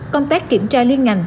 compact kiểm tra liên ngành